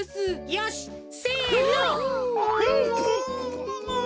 よしせの。